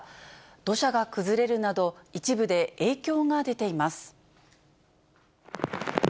土砂が崩れるなど、一部で影響が出ています。